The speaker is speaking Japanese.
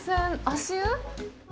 足湯？